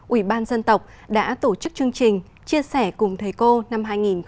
ủy ban dân tộc đã tổ chức chương trình chia sẻ cùng thầy cô năm hai nghìn hai mươi